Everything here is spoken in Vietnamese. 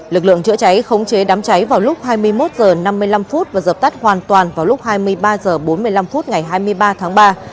lực lượng chữa cháy khống chế đám cháy vào lúc hai mươi một h năm mươi năm và dập tắt hoàn toàn vào lúc hai mươi ba h bốn mươi năm ngày hai mươi ba tháng ba